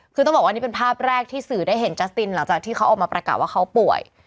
คือต้องบอกว่านี่เป็นภาพแรกที่สื่อได้เห็นจัสตินหลังจากที่เขาออกมาประกาศว่าเขาป่วย